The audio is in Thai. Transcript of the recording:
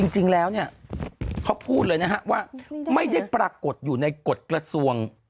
จริงแล้วเนี่ยเขาพูดเลยนะฮะว่าไม่ได้ปรากฏอยู่ในกฎกระทรวง